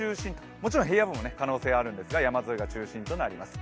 もちろん平野部も可能性はあるんですが、山沿いが中心となります。